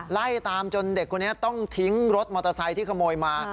ไล่ตามจนเด็กคนนี้ต้องทิ้งรถมอเตอร์ไซค์ที่ขโมยมา